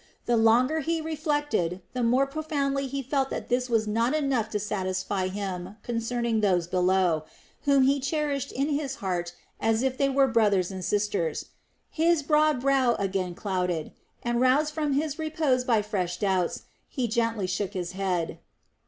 The longer he reflected, the more profoundly he felt that this was not enough to satisfy him concerning those below, whom he cherished in his heart as if they were brothers and sisters. His broad brow again clouded, and roused from his repose by fresh doubts, he gently shook his head.